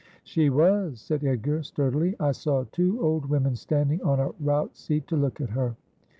' She was,' said Edgar sturdily. ' I saw two old women standing on a rout seat to look at her.'